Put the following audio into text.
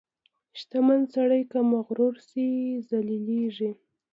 • شتمن سړی که مغرور شي، ذلیلېږي.